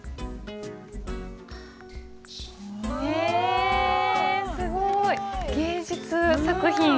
えすごい！芸術作品！